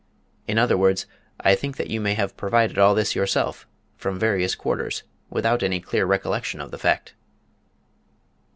In other words, I think that you may have provided all this yourself from various quarters without any clear recollection of the fact."